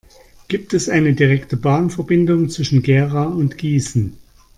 Gibt es eine direkte Bahnverbindung zwischen Gera und Gießen?